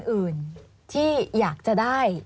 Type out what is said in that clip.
อื่นที่อยากจะได้